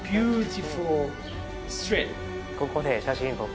ここで写真撮って。